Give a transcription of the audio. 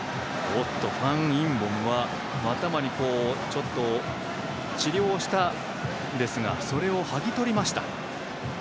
ファン・インボムは頭に治療をしたんですがそれを剥ぎ取りました。